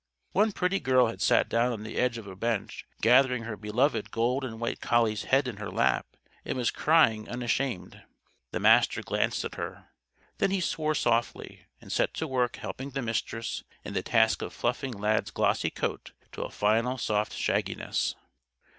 One pretty girl had sat down on the edge of a bench, gathering her beloved gold and white collie's head in her lap, and was crying unashamed. The Master glanced at her. Then he swore softly, and set to work helping the Mistress in the task of fluffing Lad's glossy coat to a final soft shagginess.